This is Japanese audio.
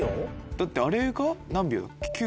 だってあれが何秒だっけ。